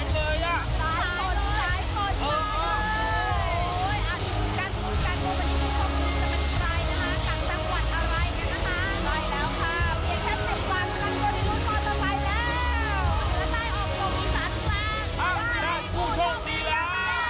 ได้ผู้โชคดีแล้ว